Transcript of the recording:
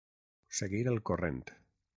Seguir el corrent.